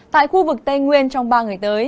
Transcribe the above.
tại khu vực tây nguyên trong ba ngày tới